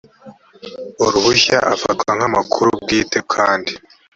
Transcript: uruhushya afatwa nk amakuru bwite kandi